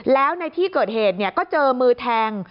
แล้วในที่เกิดเหตุก็เจอมือแทง